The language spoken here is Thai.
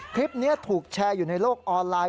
คลิปนี้ถูกแชร์อยู่ในโลกออนไลน์